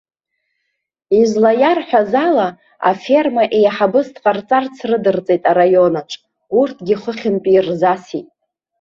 Излаиарҳәаз ала, аферма еиҳабыс дҟарҵарц рыдырҵеит араионаҿ, урҭгьы хыхьынтәи ирзасит.